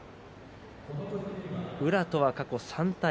宇良とは過去３対２。